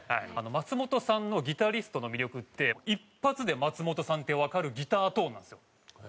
松本さんのギタリストの魅力って一発で松本さんってわかるギタートーンなんですよ。